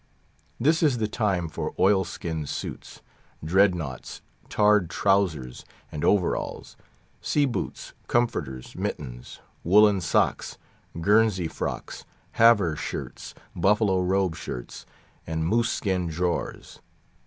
This is the time for oil skin suits, dread naughts, tarred trowsers and overalls, sea boots, comforters, mittens, woollen socks, Guernsey frocks, Havre shirts, buffalo robe shirts, and moose skin drawers.